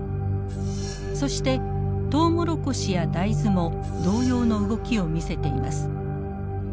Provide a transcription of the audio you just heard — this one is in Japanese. そしてトウモロコシや大豆も同様の動きを見せています。